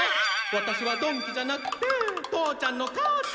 ワタシは曇鬼じゃなくて父ちゃんの母ちゃん！